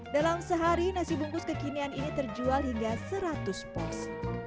dalam sehari nasi bungkus kekinian ini terjual hingga seratus pos